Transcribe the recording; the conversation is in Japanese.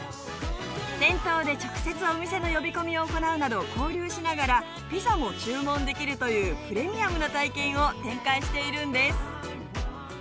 店頭で直接お店の呼び込みを行うなど交流しながらピザも注文できるというプレミアムな体験を展開しているんです。